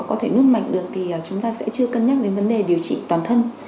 có thể nước mạnh được thì chúng ta sẽ chưa cân nhắc đến vấn đề điều trị toàn thân